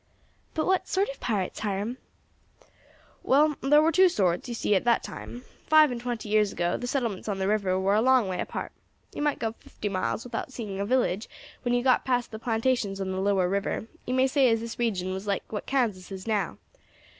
"But what sort of pirates, Hiram?" "Well, thar war two sorts, you see, at that time. Five and twenty years ago the settlements on the river war a long way apart. You might go fifty miles without seeing a village when you once got past the plantations on the lower river; you may say as this region then was like what Kansas is now.